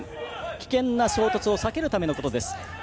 危険な衝突を避けるためです。